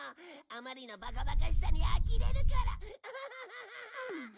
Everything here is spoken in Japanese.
あまりのバカバカしさにあきれるから。